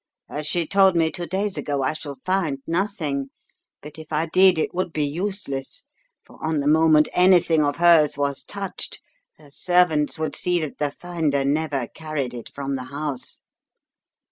As she told me two days ago, I shall find nothing; but if I did it would be useless, for, on the moment anything of hers was touched, her servants would see that the finder never carried it from the house."